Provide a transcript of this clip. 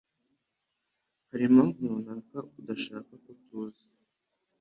Hariho impamvu runaka udashaka ko tuza